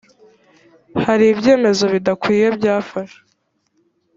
hari ibyemezo bidakwiye byafashwe